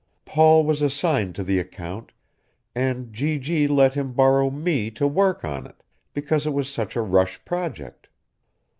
Paul was assigned to the account, and G.G. let him borrow me to work on it, because it was such a rush project.